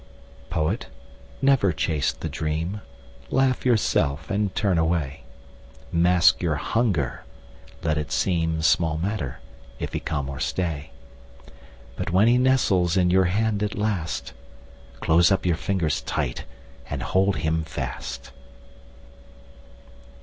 Poet, never chase the dream. Laugh yourself and turn away. Mask your hunger; let it seem Small matter if he come or stay; But when he nestles in your hand at last, Close up your fingers tight and hold him fast.